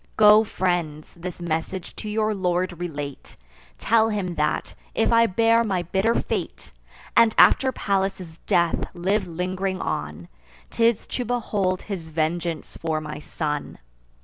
Go, friends, this message to your lord relate: Tell him, that, if I bear my bitter fate, And, after Pallas' death, live ling'ring on, 'Tis to behold his vengeance for my son.